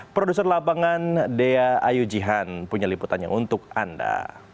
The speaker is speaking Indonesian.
produser lapangan dea ayujihan punya liputannya untuk anda